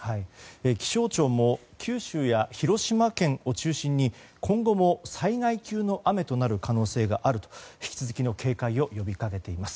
気象庁も九州や広島県を中心に今後も災害級の雨となる可能性があると引き続きの警戒を呼びかけています。